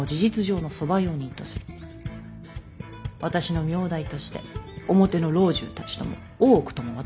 私の名代として表の老中たちとも大奥とも渡り合ってもらう。